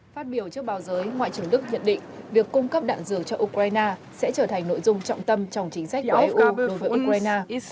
phát biểu trước báo giới ngoại trưởng đức nhận định việc cung cấp đạn dược cho ukraine sẽ trở thành nội dung trọng tâm trong chính sách của eu đối với ukraine